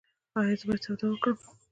ایا زه باید سودا وکړم؟